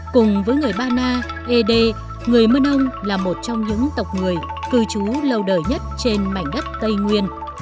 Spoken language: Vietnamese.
cùng với người ba na e đê người mưa nông là một trong những tộc người cư trú lâu đời nhất trên mảnh đất tây nguyên